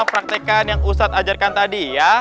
praktekan yang ustadz ajarkan tadi ya